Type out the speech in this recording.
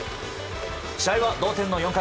試合は同点の４回。